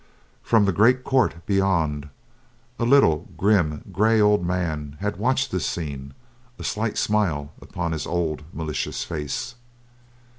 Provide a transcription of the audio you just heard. From the Great Court beyond, a little, grim, gray, old man had watched this scene, a slight smile upon his old, malicious face.